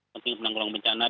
penting penanggulangan bencana